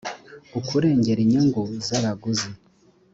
ukurengera inyungu z abaguzi